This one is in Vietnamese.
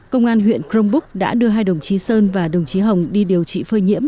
công an huyện cronbrook đã đưa hai đồng chí sơn và đồng chí hồng đi điều trị phơi nhiễm